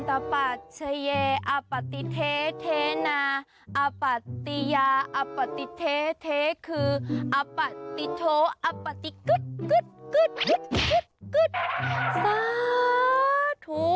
อัพปาติโธอัพปาติกึ๊ดสาธุ